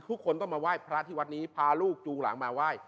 ทุกคนต้องมาไหว้พระที่วัดนี้พาลูกจูงหลังมาไหว้